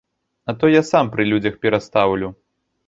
А то я сам пры людзях перастаўлю.